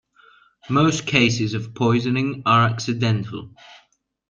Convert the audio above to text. Most cases of poisoning are accidental.